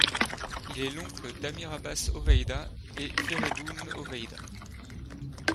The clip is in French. Il est l'oncle d'Amir Abbas Hoveida et Fereydoun Hoveyda.